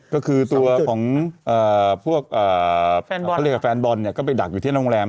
ก็คือตัวของพวกเขาเรียกกับแฟนบอลเนี่ยก็ไปดักอยู่ที่โรงแรม